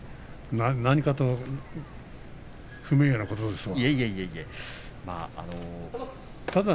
何かと不名誉なことですわ。